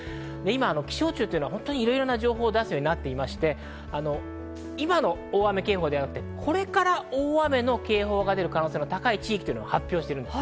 気象庁というのは今いろいろな情報を出すようになっていまして、今の大雨警報ではなくて、これから大雨の警報が出る可能性の高い地域というのを発表しています。